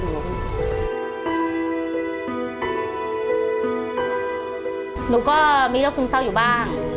หนูก็มีโรคซึมเศร้าอยู่บ้าง